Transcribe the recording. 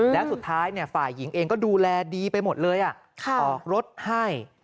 แล้วสุดท้ายฝ่ายหญิงเองก็ดูแลดีไปหมดเลยออกรถให้